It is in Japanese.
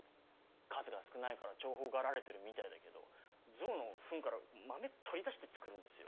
数が少ないから重宝がられてるみたいだけどゾウの糞から豆取り出して作るんですよ。